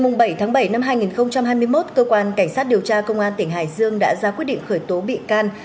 ngày bảy tháng bảy năm hai nghìn hai mươi một cơ quan cảnh sát điều tra công an tỉnh hải dương đã ra quyết định khởi tố bị can